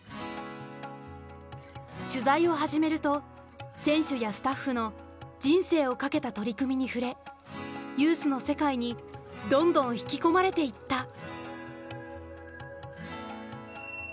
取材を始めると選手やスタッフの人生を懸けた取り組みに触れユースの世界にどんどん引き込まれていった。